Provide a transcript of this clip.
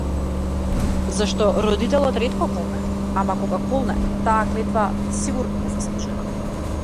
Зашто, родителот ретко колне, ама кога колне, таа клетва сигурно е заслужена.